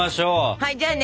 はいじゃあね